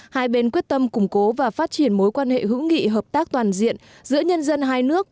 hai bên quyết tâm củng cố và phát triển mối quan hệ hữu nghị hợp tác toàn diện giữa nhân dân hai nước